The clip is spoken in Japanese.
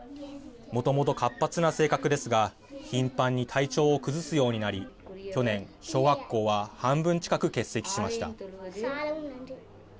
もともと活発な性格ですが頻繁に体調を崩すようになり去年小学校は半分近く欠席しました。